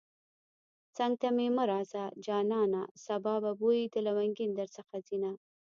څنگ ته مې مه راځه جانانه سبا به بوی د لونگين درڅخه ځينه